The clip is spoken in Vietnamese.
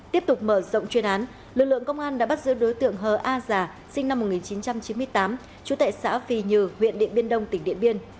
tiếp tục mở rộng chuyên án lực lượng công an đã bắt giữ đối tượng hờ a già sinh năm một nghìn chín trăm chín mươi tám trú tại xã vì như huyện điện biên đông tỉnh điện biên